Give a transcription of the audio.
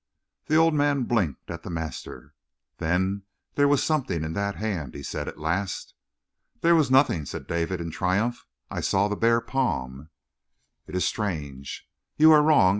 The old man blinked at the master. "Then there was something in that hand," he said at last. "There was nothing," said David in triumph. "I saw the bare palm." "It is strange." "You are wrong.